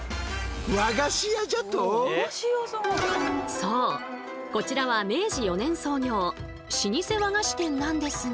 そうこちらは明治４年創業老舗和菓子店なんですが。